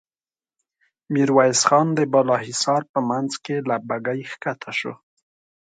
ميرويس خان د بالا حصار په مينځ کې له بګۍ کښته شو.